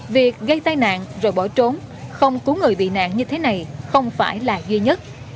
việc gây tai nạn rồi bỏ trốn không cứu người bị nạn như thế này không phải là duy nhất